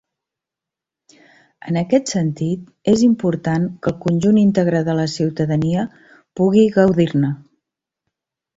En aquest sentit és important que el conjunt íntegre de la ciutadania pugui gaudir-ne.